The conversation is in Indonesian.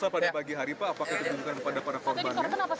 pada pagi hari pak apakah itu menunjukkan kepada para korbannya